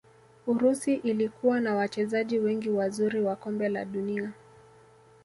urusi ilikuwa na wachezaji wengi wazuri wa kombe la dunia